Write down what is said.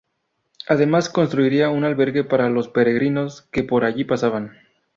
Además construiría un albergue para los peregrinos que por allí pasaban.